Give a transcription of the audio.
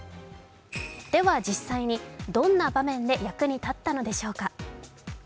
では、実際にどんな場面で役に立ったのでしょうか。